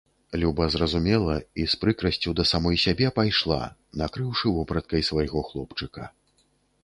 Люба зразумела і з прыкрасцю да самой сябе пайшла, накрыўшы вопраткай свайго хлопчыка.